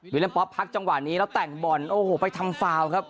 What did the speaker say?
เล่มป๊อปพักจังหวะนี้แล้วแต่งบอลโอ้โหไปทำฟาวครับ